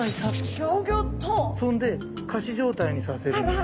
そんで仮死状態にさせるんです。